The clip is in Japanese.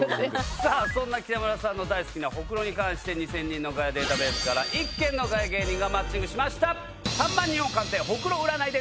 そんな北村さんの大好きなホクロに関して２０００人のガヤデータベースから１件のガヤ芸人がマッチングしました。